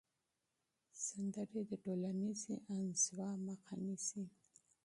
سندرې د ټولنیزې انزوا مخه نیسي.